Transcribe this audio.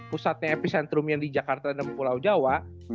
pusatnya epicentrum yang di jakarta dan pulau jawa